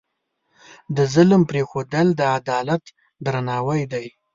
د ظلم پرېښودل، د عدالت درناوی دی.